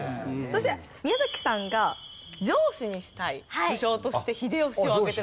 そして宮さんが上司にしたい武将として秀吉を挙げてらっしゃいます。